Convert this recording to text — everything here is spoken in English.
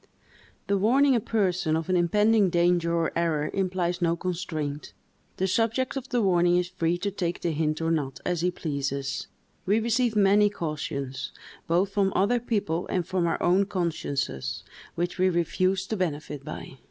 The warning a person of an impending danger or error implies no constraint; the subject of the warning is free to take the hint or not, as he pleases; we receive many cautions, both from other people and from our own consciences, which we refuse to benefit by.